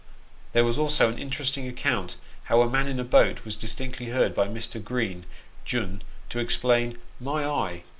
There was also an interesting account how a man in a boat was distinct heard by Mr. Green, jun., to exclaim, " My eye